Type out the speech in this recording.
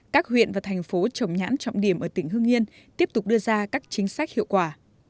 các huyện và thành phố trồng nhãn trọng điểm ở tỉnh hưng yên tiếp tục đưa ra các chính sách hiệu quả